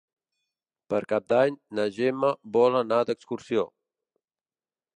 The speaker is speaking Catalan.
Per Cap d'Any na Gemma vol anar d'excursió.